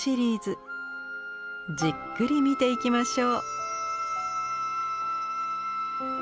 じっくり見ていきましょう。